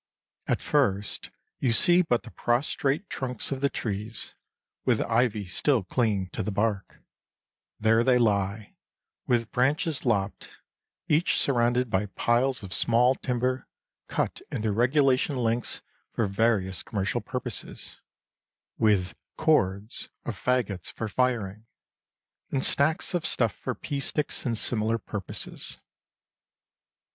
At first you see but the prostrate trunks of the trees, with ivy still clinging to the bark; there they lie, with branches lopped, each surrounded by piles of small timber cut into regulation lengths for various commercial purposes; with "cords" of faggots for firing, and stacks of stuff for pea sticks and similar purposes.